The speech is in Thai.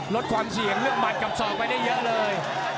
ลดความเสี่ยงเลือกหัดกับศอกไปได้เยอะเลย